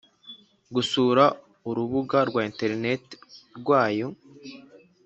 gusura urubuga rwa interineti rwayo